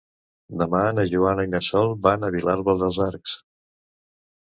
Demà na Joana i na Sol van a Vilalba dels Arcs.